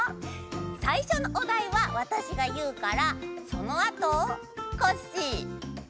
さいしょのおだいはわたしがいうからそのあとコッシースイちゃんデテコサボさん